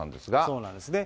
そうなんですね。